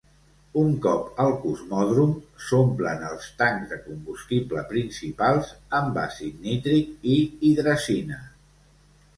Un cop al Cosmòdrom, s'omplen els tancs de combustible principals amb àcid nítric i Hidrazina.